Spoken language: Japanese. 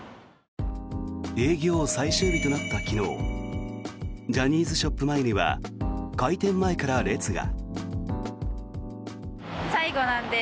営業最終日となった昨日ジャニーズショップ前には開店前から列が。